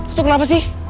itu kenapa sih